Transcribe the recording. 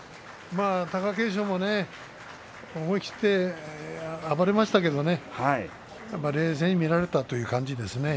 貴景勝もね思い切って暴れましたけどね冷静に見られたという感じですね。